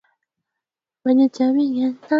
muokaji aliwaokoa watu wengine sana katika ajali hiyo